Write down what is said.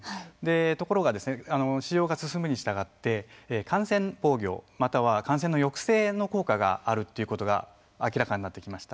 ところが、使用が進むにしたがいまして感染防御、または感染の抑制の効果があるということが明らかになってきました。